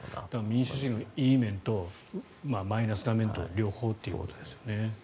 民主主義のいい面とマイナスの面と両方ということですよね。